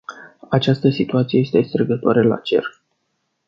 Această situație este strigătoare la cer!